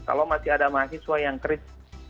karena ada mahasiswa yang kritik